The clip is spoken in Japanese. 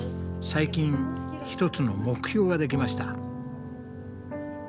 最近一つの目標ができました。